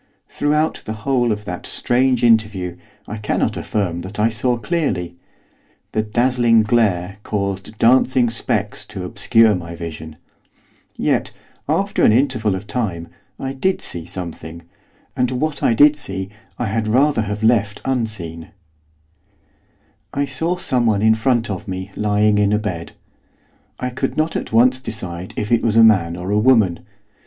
Throughout the whole of that strange interview I cannot affirm that I saw clearly; the dazzling glare caused dancing specks to obscure my vision. Yet, after an interval of time, I did see something; and what I did see I had rather have left unseen. [IMAGE: images/img_017.jpg CAPTION: FOR WHEN IT SAID, 'KEEP STILL!' I KEPT STILL.] I saw someone in front of me lying in a bed. I could not at once decide if it was a man or a woman.